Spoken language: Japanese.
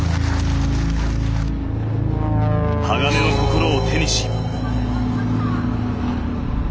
鋼の心を手にし。